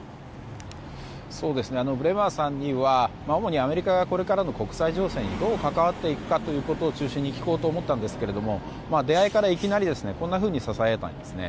ブレマーさんにはアメリカがこれから国際情勢にどう関わっていくかを中心に聞こうと思ったんですが出会いからいきなりこんなふうにささやいたんです。